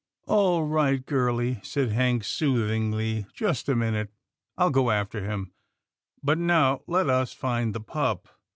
" All right, girlie," said Hank soothingly, " just wait a minute, I'll go after him, but now let us find the pup."